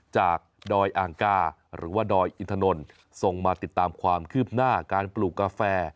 ดอยอ่างกาหรือว่าดอยอินถนนส่งมาติดตามความคืบหน้าการปลูกกาแฟ